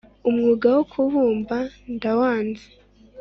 ,umwuga wo kubumba ndawanze"